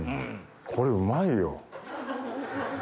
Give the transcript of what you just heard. これうまいよ。